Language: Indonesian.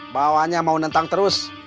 bahwa hanya mau nentang terus